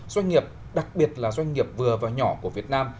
doanh nghiệp đặc biệt là doanh nghiệp vừa và nhỏ của việt nam